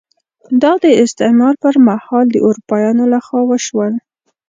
دا د استعمار پر مهال د اروپایانو لخوا وشول.